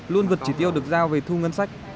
luôn vượt chỉ tiêu được giao về thu ngân sách